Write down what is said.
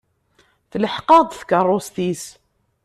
Telḥeq-aɣ-d tkeṛṛust-is.